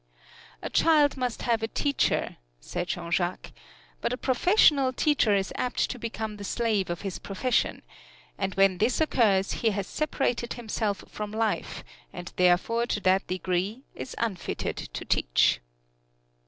"A child must have a teacher," said Jean Jacques, "but a professional teacher is apt to become the slave of his profession, and when this occurs he has separated himself from life, and therefore to that degree is unfitted to teach."